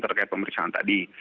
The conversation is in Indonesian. terkait pemeriksaan tadi